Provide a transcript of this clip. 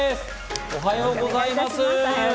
おはようございます。